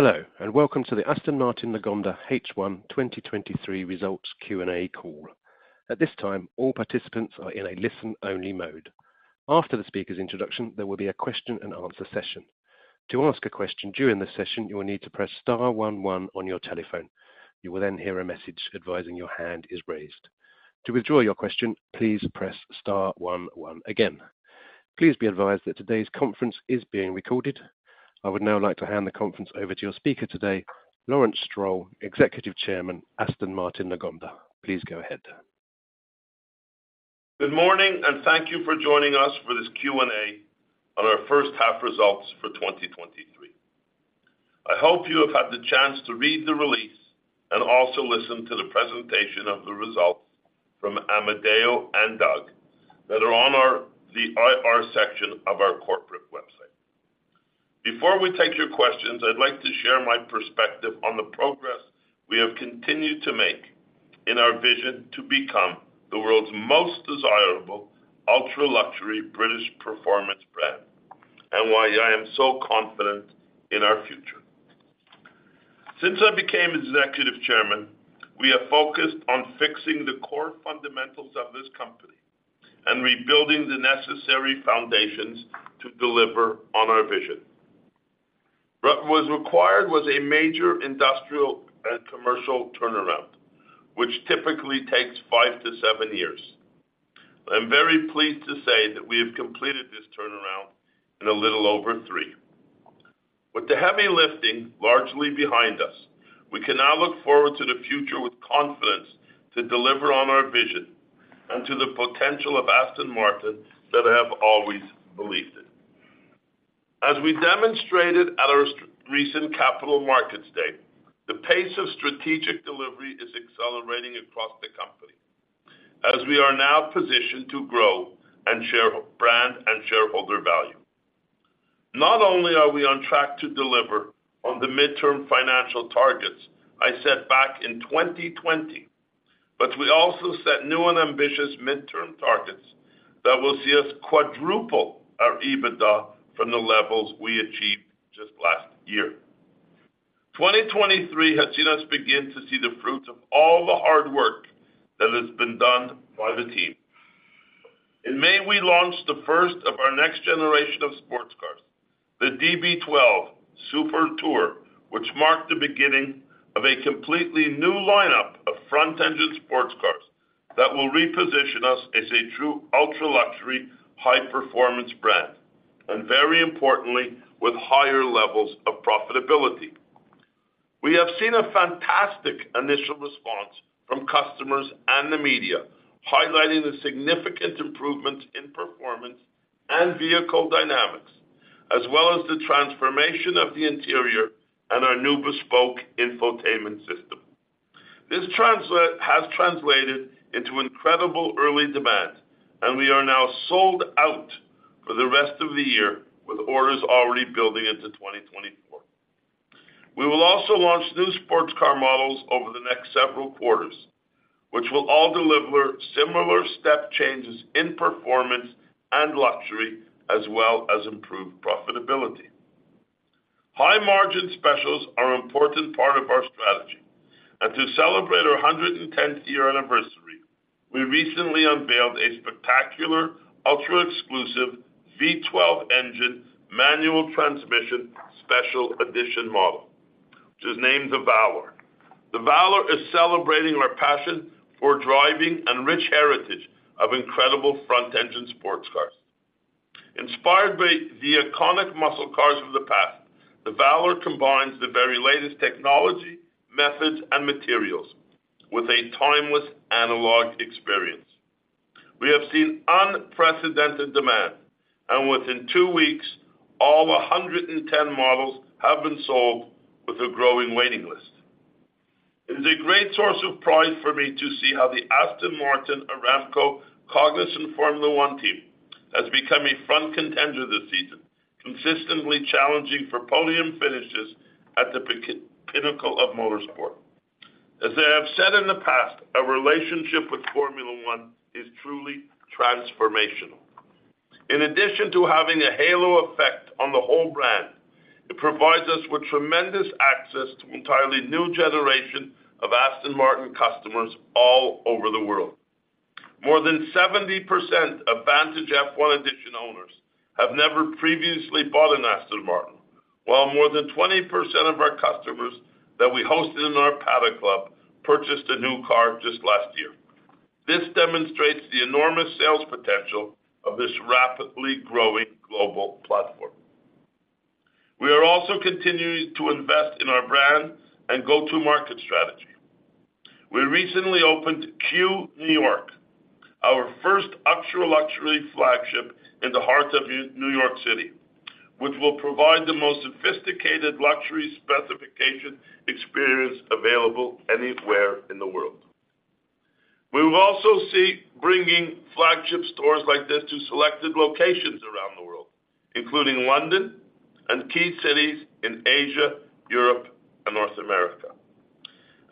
Hello, and welcome to the Aston Martin Lagonda H1 2023 Results Q&A Call. At this time, all participants are in a listen-only mode. After the speaker's introduction, there will be a question-and-answer session. To ask a question during the session, you will need to press star one one on your telephone. You will hear a message advising your hand is raised. To withdraw your question, please press star one one again. Please be advised that today's conference is being recorded. I would now like to hand the conference over to your speaker today, Lawrence Stroll, Executive Chairman, Aston Martin Lagonda. Please go ahead. Good morning, and thank you for joining us for this Q&A on our first half results for 2023. I hope you have had the chance to read the release and also listen to the presentation of the results from Amedeo and Doug that are on the IR section of our corporate website. Before we take your questions, I'd like to share my perspective on the progress we have continued to make in our vision to become the world's most desirable ultra-luxury British performance brand, and why I am so confident in our future. Since I became executive chairman, we have focused on fixing the core fundamentals of this company and rebuilding the necessary foundations to deliver on our vision. What was required was a major industrial and commercial turnaround, which typically takes five to seven years. I'm very pleased to say that we have completed this turnaround in a little over three. With the heavy lifting largely behind us, we can now look forward to the future with confidence to deliver on our vision and to the potential of Aston Martin that I have always believed in. As we demonstrated at our recent capital markets day, the pace of strategic delivery is accelerating across the company as we are now positioned to grow and share brand and shareholder value. Not only are we on track to deliver on the midterm financial targets I set back in 2020, but we also set new and ambitious midterm targets that will see us quadruple our EBITDA from the levels we achieved just last year. 2023 has seen us begin to see the fruits of all the hard work that has been done by the team. In May, we launched the first of our next generation of sports cars, the DB12 Super Tourer, which marked the beginning of a completely new lineup of front-engine sports cars that will reposition us as a true ultra-luxury, high-performance brand, and very importantly, with higher levels of profitability. We have seen a fantastic initial response from customers and the media, highlighting the significant improvements in performance and vehicle dynamics, as well as the transformation of the interior and our new bespoke infotainment system. This has translated into incredible early demand, and we are now sold out for the rest of the year, with orders already building into 2024. We will also launch new sports car models over the next several quarters, which will all deliver similar step changes in performance and luxury, as well as improved profitability. High-margin specials are an important part of our strategy. To celebrate our 110th year anniversary, we recently unveiled a spectacular, ultra-exclusive V12 engine, manual transmission, special edition model, which is named the Valour. The Valour is celebrating our passion for driving and rich heritage of incredible front-engine sports cars. Inspired by the iconic muscle cars of the past, the Valour combines the very latest technology, methods, and materials with a timeless analog experience. We have seen unprecedented demand. Within two weeks, all 110 models have been sold with a growing waiting list. It is a great source of pride for me to see how the Aston Martin Aramco Cognizant Formula One team has become a front contender this season, consistently challenging for podium finishes at the pinnacle of motorsport. As I have said in the past, our relationship with Formula One is truly transformational. In addition to having a halo effect on the whole brand, it provides us with tremendous access to an entirely new generation of Aston Martin customers all over the world. More than 70% of Vantage F1 Edition owners have never previously bought an Aston Martin, while more than 20% of our customers that we hosted in our Paddock Club purchased a new car just last year. This demonstrates the enormous sales potential of this rapidly growing global platform. We are also continuing to invest in our brand and go-to-market strategy. We recently opened Q New York, our first ultra-luxury flagship in the heart of New York City, which will provide the most sophisticated luxury specification experience available anywhere in the world. We will also see bringing flagship stores like this to selected locations around the world, including London and key cities in Asia, Europe, and North America.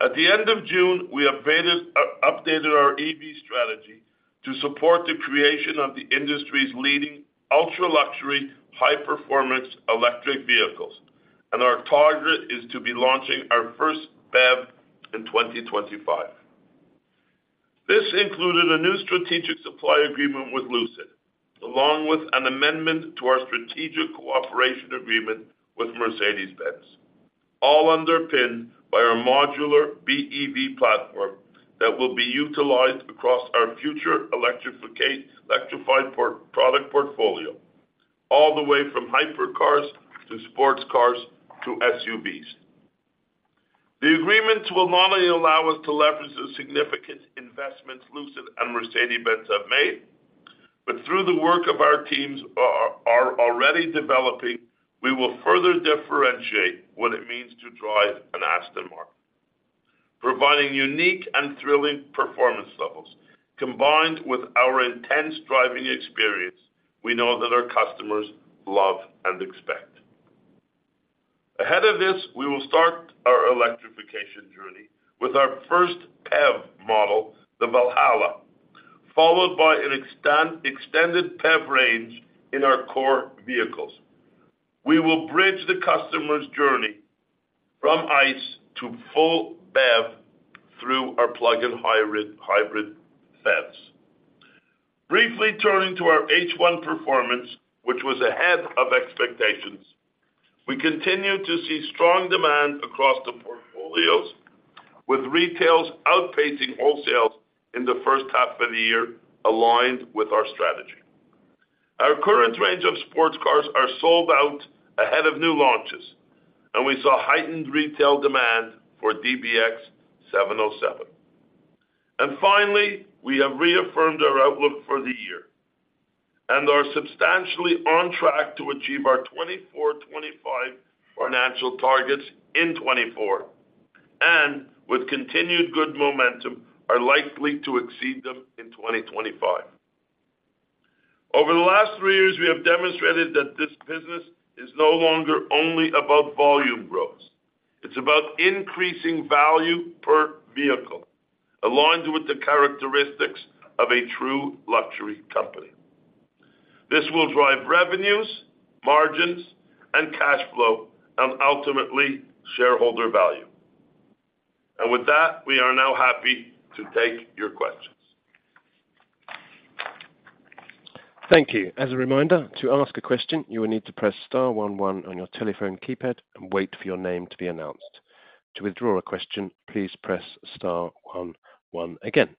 At the end of June, we updated our EV strategy to support the creation of the industry's leading ultra-luxury, high-performance electric vehicles, and our target is to be launching our first BEV in 2025. This included a new strategic supply agreement with Lucid, along with an amendment to our strategic cooperation agreement with Mercedes-Benz, all underpinned by our modular BEV platform that will be utilized across our future electrified product portfolio, all the way from hypercars to sports cars to SUVs. The agreements will not only allow us to leverage the significant investments Lucid and Mercedes-Benz have made, but through the work of our teams are already developing, we will further differentiate what it means to drive an Aston Martin, providing unique and thrilling performance levels, combined with our intense driving experience we know that our customers love and expect. Ahead of this, we will start our electrification journey with our first PEV model, the Valhalla, followed by an extended PEV range in our core vehicles. We will bridge the customer's journey from ICE to full BEV through our plug-in hybrid PEVs. Briefly turning to our H1 performance, which was ahead of expectations, we continue to see strong demand across the portfolios, with retails outpacing wholesales in the first half of the year, aligned with our strategy. Our current range of sports cars are sold out ahead of new launches. We saw heightened retail demand for DBX707. Finally, we have reaffirmed our outlook for the year and are substantially on track to achieve our 2024, 2025 financial targets in 2024, and with continued good momentum, are likely to exceed them in 2025. Over the last three years, we have demonstrated that this business is no longer only about volume growth. It's about increasing value per vehicle, aligned with the characteristics of a true luxury company. This will drive revenues, margins, and cash flow, and ultimately, shareholder value. With that, we are now happy to take your questions. Thank you. As a reminder, to ask a question, you will need to press star one one on your telephone keypad and wait for your name to be announced. To withdraw a question, please press star one one again.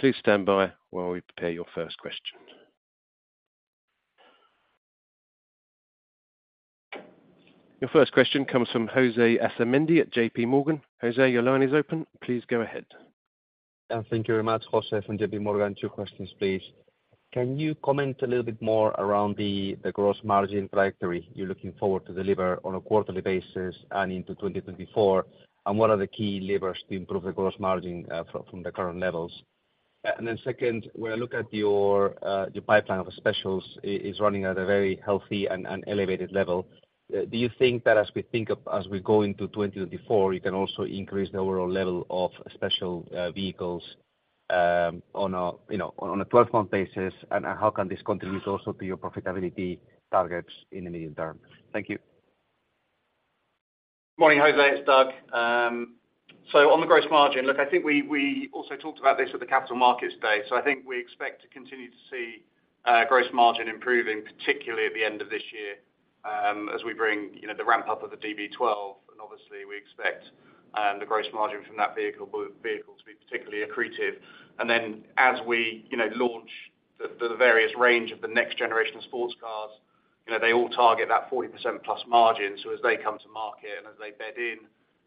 Please stand by while we prepare your first question. Your first question comes from José Asumendi at JPMorgan. José, your line is open. Please go ahead. Thank you very much, José from JPMorgan. Two questions, please. Can you comment a little bit more around the gross margin trajectory you're looking forward to deliver on a quarterly basis and into 2024? What are the key levers to improve the gross margin from the current levels? Second, when I look at your pipeline of specials, is running at a very healthy and elevated level. Do you think that as we go into 2024, you can also increase the overall level of special vehicles on a, you know, on a 12-month basis? How can this contribute also to your profitability targets in the medium term? Thank you. Morning, José, it's Doug. On the gross margin, look, I think we also talked about this at the capital markets day. I think we expect to continue to see gross margin improving, particularly at the end of this year, as we bring, you know, the ramp up of the DB12, and obviously, we expect the gross margin from that vehicle to be particularly accretive. Then as we, you know, launch the various range of the next generation of sports cars, you know, they all target that 40% plus margin. As they come to market and as they bed in,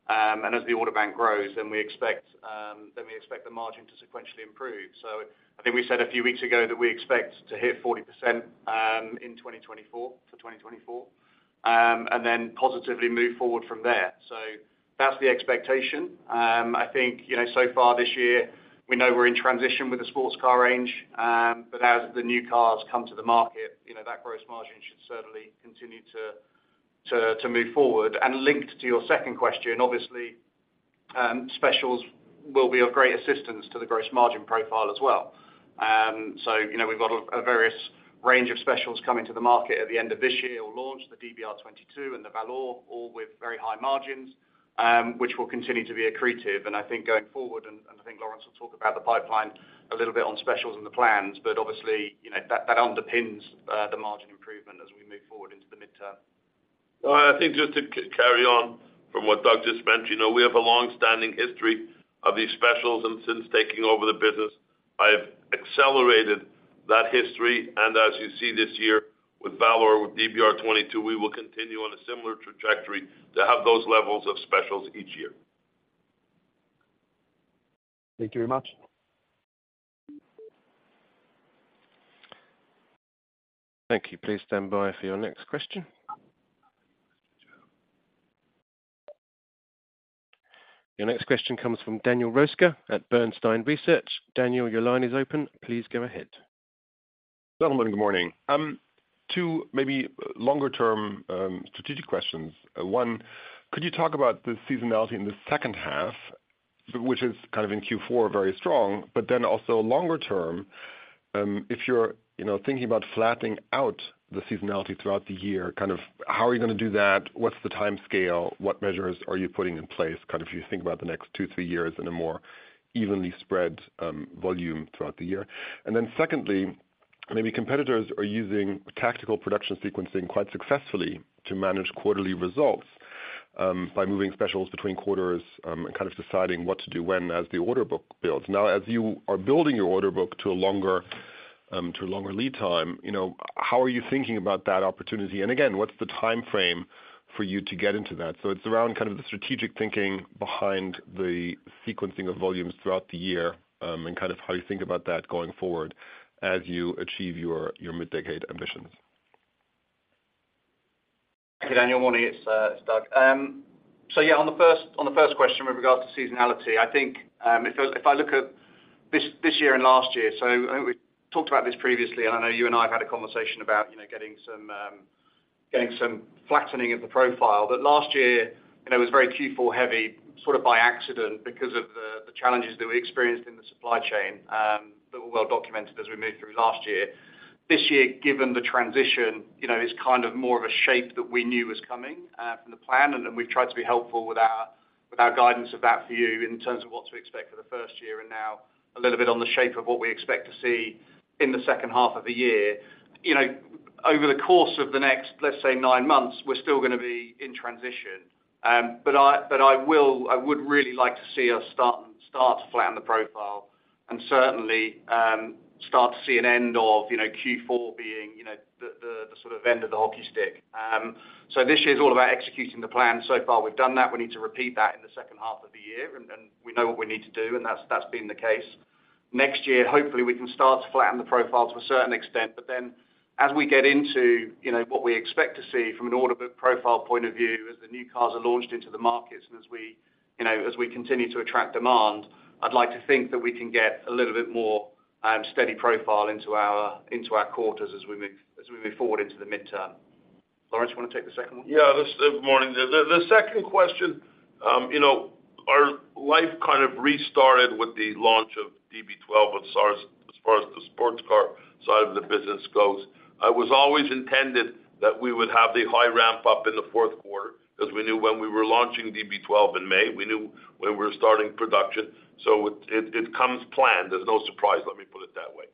and as the order bank grows, then we expect the margin to sequentially improve. I think we said a few weeks ago that we expect to hit 40% in 2024, for 2024, and then positively move forward from there. That's the expectation. I think, you know, so far this year, we know we're in transition with the sports car range, but as the new cars come to the market, you know, that gross margin should certainly continue to move forward. Linked to your second question, obviously, specials will be of great assistance to the gross margin profile as well. You know, we've got a various range of specials coming to the market at the end of this year, or launch the DBR22 and the Valour, all with very high margins, which will continue to be accretive. I think going forward, and I think Lawrence will talk about the pipeline a little bit on specials and the plans, but obviously, you know, that underpins the margin improvement as we move forward into the midterm. I think just to carry on from what Doug just mentioned, you know, we have a long-standing history of these specials, and since taking over the business, I have accelerated that history. As you see this year with Valour, with DBR22, we will continue on a similar trajectory to have those levels of specials each year. Thank you very much. Thank you. Please stand by for your next question. Your next question comes from Daniel Roeska at Bernstein Research. Daniel, your line is open. Please go ahead. Gentlemen, good morning. Two maybe longer term strategic questions. One, could you talk about the seasonality in the second half, which is kind of in Q4, very strong, but then also longer term, if you're, you know, thinking about flattening out the seasonality throughout the year, kind of how are you gonna do that? What's the time scale? What measures are you putting in place? Kind of you think about the next two, three years in a more evenly spread volume throughout the year. Secondly, maybe competitors are using tactical production sequencing quite successfully to manage quarterly results by moving specials between quarters and kind of deciding what to do when, as the order book builds. Now, as you are building your order book to a longer lead time, you know, how are you thinking about that opportunity? Again, what's the time frame for you to get into that? It's around kind of the strategic thinking behind the sequencing of volumes throughout the year, and kind of how you think about that going forward as you achieve your mid-decade ambitions. Hey, Daniel, morning. It's Doug. On the first question with regards to seasonality, I think, if I look at this year and last year. I think we talked about this previously, and I know you and I have had a conversation about, you know, getting some flattening of the profile. Last year, you know, was very Q4 heavy, sort of by accident, because of the challenges that we experienced in the supply chain, that were well documented as we moved through last year. This year, given the transition, you know, is kind of more of a shape that we knew was coming from the plan, and then we've tried to be helpful with our, with our guidance of that for you in terms of what to expect for the first year and now a little bit on the shape of what we expect to see in the second half of the year. You know, over the course of the next, let's say, nine months, we're still gonna be in transition. I would really like to see us start to flatten the profile and certainly start to see an end of, you know, Q4 being, you know, the, the sort of end of the hockey stick. This year is all about executing the plan. Far, we've done that. We need to repeat that in the second half of the year, and we know what we need to do, and that's been the case. Next year, hopefully, we can start to flatten the profile to a certain extent, but then as we get into, you know, what we expect to see from an order book profile point of view, as the new cars are launched into the markets and as we, you know, as we continue to attract demand, I'd like to think that we can get a little bit more steady profile into our quarters as we move forward into the midterm. Lawrence, you wanna take the second one? Good morning. The second question, you know, our life kind of restarted with the launch of DB12 with SARS, as far as the sports car side of the business goes. I was always intended that we would have the high ramp up in the fourth quarter because we knew when we were launching DB12 in May, we knew when we were starting production, so it comes planned. There's no surprise, let me put it that way.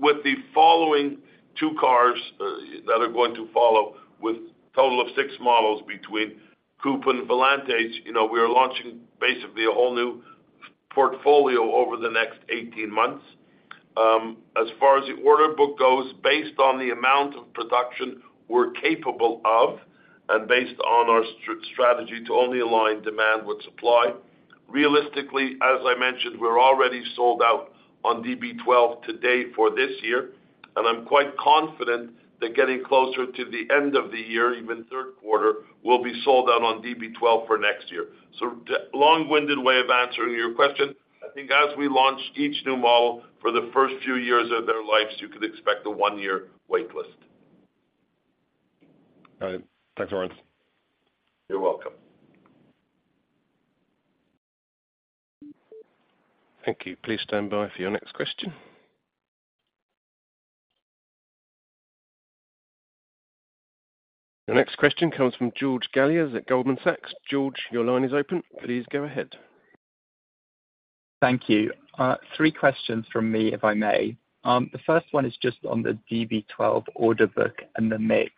With the following two cars that are going to follow with total of 6 models between Coupe and Volante, you know, we are launching basically a whole new portfolio over the next 18 months. As far as the order book goes, based on the amount of production we're capable of and based on our strategy to only align demand with supply, realistically, as I mentioned, we're already sold out on DB12 to date for this year, and I'm quite confident that getting closer to the end of the year, even third quarter, will be sold out on DB12 for next year. The long-winded way of answering your question, I think as we launch each new model for the first few years of their lives, you could expect a one-year wait list. All right. Thanks, Lawrence. You're welcome. Thank you. Please stand by for your next question. The next question comes from George Galliers at Goldman Sachs. George, your line is open. Please go ahead. Thank you. Three questions from me, if I may. The first one is just on the DB12 order book and the mix.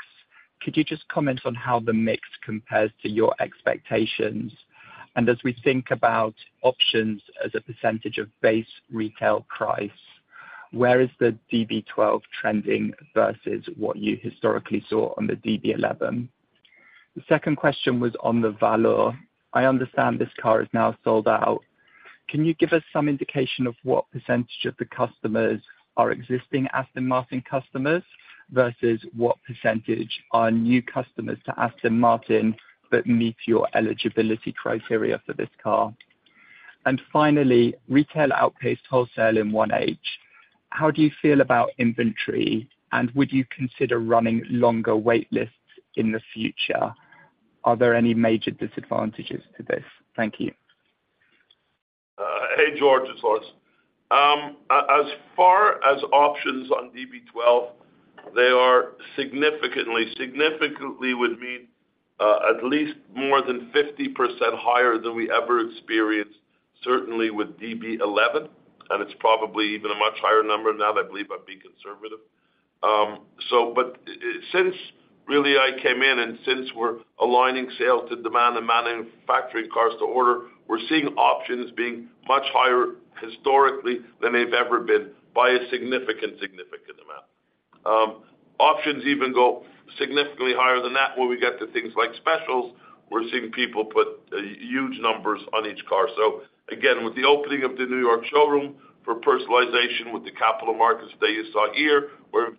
Could you just comment on how the mix compares to your expectations? As we think about options as a % of base retail price, where is the DB12 trending versus what you historically saw on the DB11? The second question was on the Valour. I understand this car is now sold out. Can you give us some indication of what % of the customers are existing Aston Martin customers versus what % are new customers to Aston Martin that meet your eligibility criteria for this car? Finally, retail outpaced wholesale in one age. How do you feel about inventory, and would you consider running longer wait lists in the future? Are there any major disadvantages to this? Thank you. Hey, George, it's Lawrence. As far as options on DB12, they are significantly would mean, at least more than 50% higher than we ever experienced, certainly with DB11, and it's probably even a much higher number now, I believe, I'd be conservative. Since really I came in and since we're aligning sales to demand and manufacturing cars to order, we're seeing options being much higher historically than they've ever been by a significant amount. Options even go significantly higher than that when we get to things like specials. We're seeing people put huge numbers on each car. Again, with the opening of the New York showroom for personalization, with the capital markets that you saw here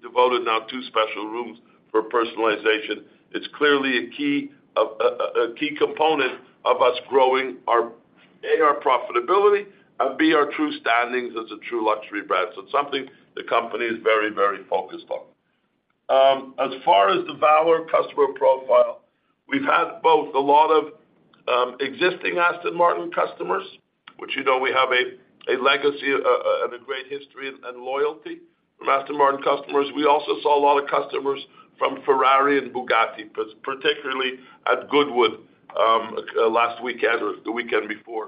devoted now two special rooms for personalization. It's clearly a key component of us growing our, A, our profitability, and B, our true standings as a true luxury brand. It's something the company is very, very focused on. As far as the Valour customer profile, we've had both a lot of existing Aston Martin customers, which you know, we have a legacy and a great history and loyalty with Aston Martin customers. We also saw a lot of customers from Ferrari and Bugatti, particularly at Goodwood last weekend or the weekend before.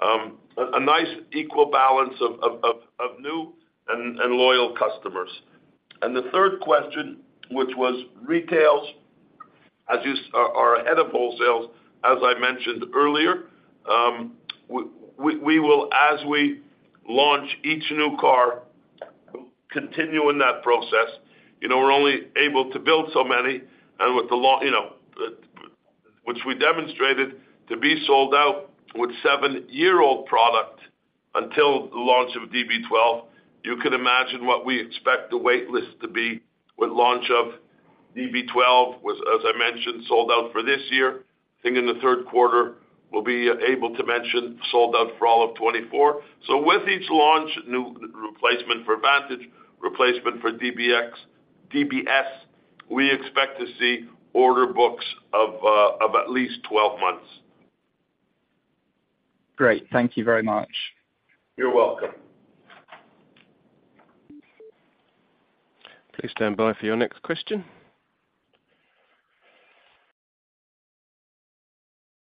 A nice equal balance of new and loyal customers. The third question, which was retails, are ahead of wholesales, as I mentioned earlier. We will, as we launch each new car, continue in that process. You know, we're only able to build so many, and with the law, you know, which we demonstrated to be sold out with seven-year-old product until the launch of DB12. You can imagine what we expect the wait list to be with launch of DB12, was, as I mentioned, sold out for this year. I think in the third quarter, we'll be able to mention sold out for all of 2024. With each launch, new replacement for Vantage, replacement for DBX, DBS, we expect to see order books of at least 12 months. Great, thank you very much. You're welcome. Please stand by for your next question.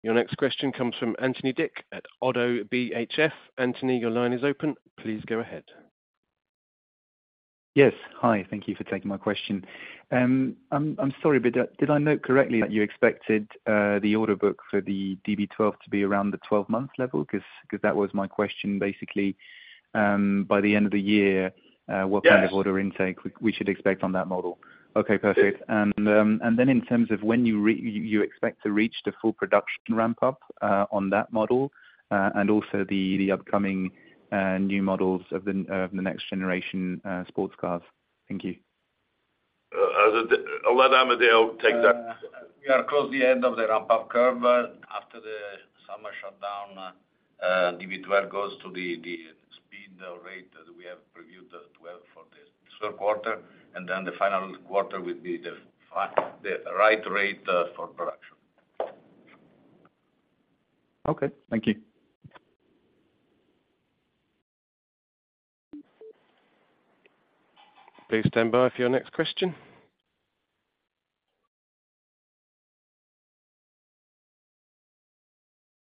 Your next question comes from Anthony at ODDO BHF. Anthony, your line is open. Please go ahead. Yes. Hi, thank you for taking my question. I'm sorry, but did I note correctly that you expected the order book for the DB12 to be around the 12-month level? 'Cause that was my question, basically. By the end of the year. Yes... what kind of order intake we should expect on that model? Okay, perfect. Yes. In terms of when you expect to reach the full production ramp up on that model, and also the upcoming new models of the next generation sports cars. Thank you. I'll let Amedeo take that. We are close the end of the ramp-up curve. After the summer shutdown, DB12 goes to the speed or rate that we have reviewed 12 for this third quarter, and then the final quarter will be the right rate, for production. Okay, thank you. Please stand by for your next question.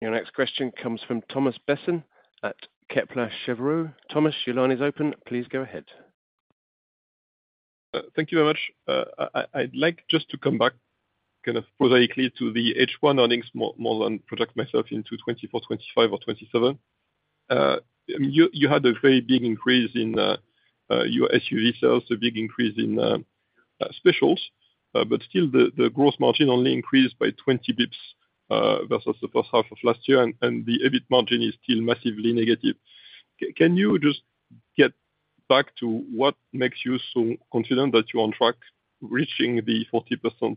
Your next question comes from Thomas Besson at Kepler Cheuvreux. Thomas, your line is open. Please go ahead. Thank you very much. I'd like just to come back kind of prosaically to the H1 earnings more than project myself into 2024, 2025 or 2027. You had a very big increase in your SUV sales, a big increase in specials, still the gross margin only increased by 20 bips versus the first half of last year, and the EBIT margin is still massively negative. Can you just get back to what makes you so confident that you're on track reaching the 40%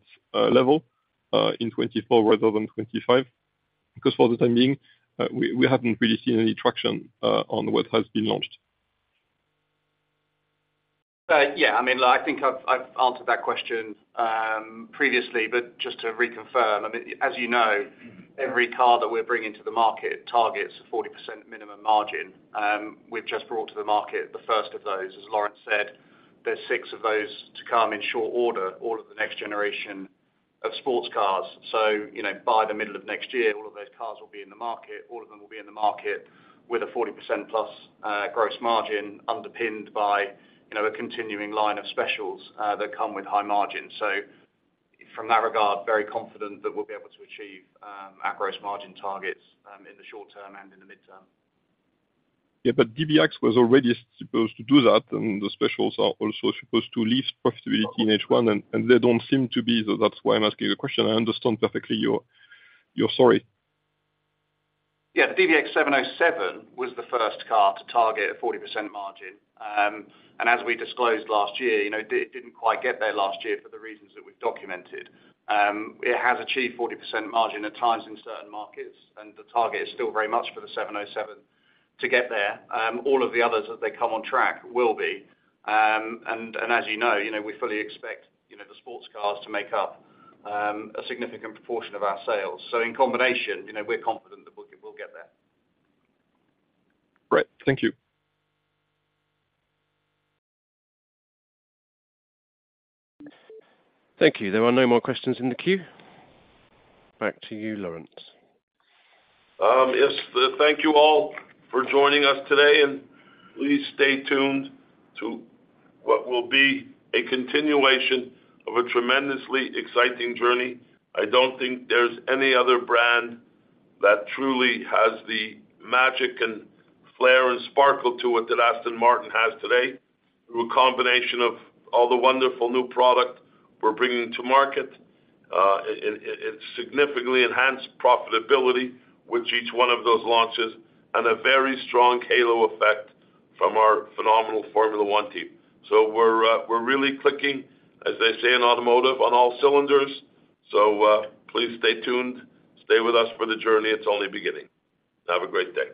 level in 2024 rather than 2025? For the time being, we haven't really seen any traction on what has been launched. Yeah, I think I've answered that question previously, but just to reconfirm, as you know, every car that we're bringing to the market targets a 40% minimum margin. We've just brought to the market, the first of those. As Lawrence said, there's six of those to come in short order, all of the next generation of sports cars. You know, by the middle of next year, all of those cars will be in the market. All of them will be in the market with a 40%+ gross margin, underpinned by, you know, a continuing line of specials that come with high margins. From that regard, very confident that we'll be able to achieve our gross margin targets in the short term and in the midterm. Yeah, DBX was already supposed to do that, and the specials are also supposed to leave profitability in H1, and they don't seem to be. That's why I'm asking the question. I understand perfectly your story. DBX707 was the first car to target a 40% margin. As we disclosed last year, you know, didn't quite get there last year for the reasons that we've documented. It has achieved 40% margin at times in certain markets, and the target is still very much for the 707 to get there. All of the others, as they come on track, will be. As you know, you know, we fully expect, you know, the sports cars to make up a significant proportion of our sales. In combination, you know, we're confident that we'll get there. Great. Thank you. Thank you. There are no more questions in the queue. Back to you, Lawrence. Yes, thank you all for joining us today. Please stay tuned to what will be a continuation of a tremendously exciting journey. I don't think there's any other brand that truly has the magic and flair and sparkle to it that Aston Martin has today, through a combination of all the wonderful new product we're bringing to market, and significantly enhanced profitability with each one of those launches, and a very strong halo effect from our phenomenal Formula One team. We're really clicking, as they say in automotive, on all cylinders. Please stay tuned. Stay with us for the journey, it's only beginning. Have a great day.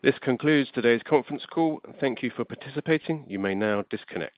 This concludes today's conference call. Thank you for participating. You may now disconnect.